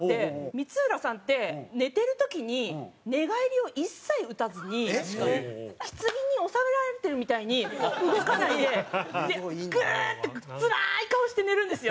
光浦さんって寝てる時に寝返りを一切打たずにひつぎに納められてるみたいに動かないでグーッてつらい顔して寝るんですよ。